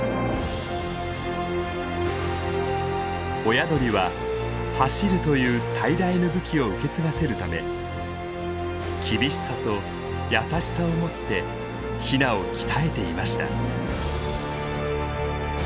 親鳥は「走る」という最大の武器を受け継がせるため厳しさと優しさをもってヒナを鍛えていました。